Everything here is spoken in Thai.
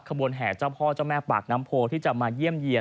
ขบวนแห่เจ้าพ่อเจ้าแม่ปากน้ำโพที่จะมาเยี่ยมเยี่ยน